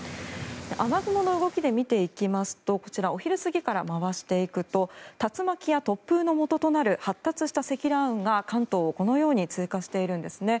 雨雲の動きで見ていきますとこちらお昼過ぎから回していくと竜巻や突風のもととなる発達した積乱雲が関東をこのように通過しているんですね。